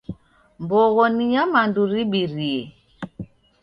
Mbogho ni nyamandu ribirie.